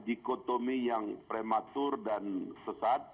dikotomi yang prematur dan sesat